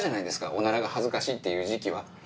おならが恥ずかしいっていう時期は。